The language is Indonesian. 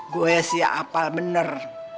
gue sih apal bener